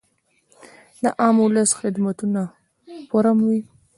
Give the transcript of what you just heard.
د عام اولس د خدمت فورم وي -